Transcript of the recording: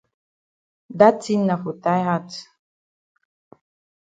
Da tin na for tie hat.